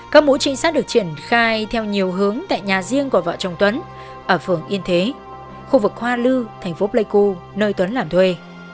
các mũi trinh sát được triển khai theo nhiều hướng tại nhà riêng của vợ chồng tuấn ở phường yên thế khu vực hoa lư thành phố pleiku nơi tuấn làm thuê